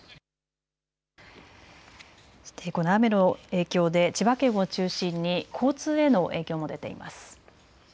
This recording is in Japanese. この雨の影響で千葉県を中心に交通への影響も出ています。